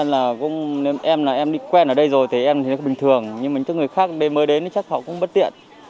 nói ra là em đi quen ở đây rồi thì em thấy nó bình thường nhưng mà những người khác mới đến thì chắc họ cũng bất tiện